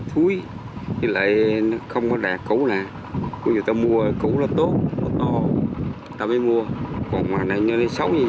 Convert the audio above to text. hàng chục hectare muối của diêm dân xã nhơn hải